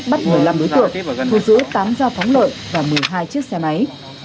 bắt một mươi năm đối tượng thu giữ tám giao thắng lợi và một mươi hai chiếc xe máy